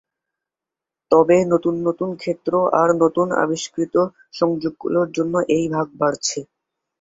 তবে নতুন নতুন ক্ষেত্র আর নতুন আবিস্কৃত সংযোগ গুলোর জন্য এই ভাগ বাড়ছে।